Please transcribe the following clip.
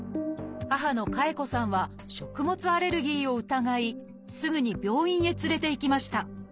母の夏絵子さんは食物アレルギーを疑いすぐに病院へ連れて行きました。